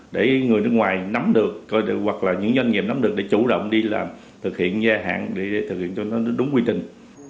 để người nước ngoài nắm được hoặc là những doanh nghiệp nắm được để chủ động đi làm thực hiện gia hạn để thực hiện cho nó đúng quy trình